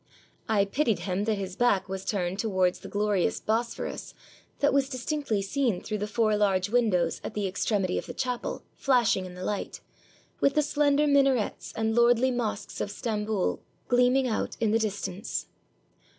I pitied him that his back was turned towards the glorious Bosphorus, that was dis tinctly seen through the four large windows at the ex tremity of the chapel, flashing in the light, with the slender minarets and lordly mosques of Stamboul gleaming out in the distance.